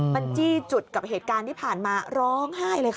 มันจี้จุดกับเหตุการณ์ที่ผ่านมาร้องไห้เลยค่ะ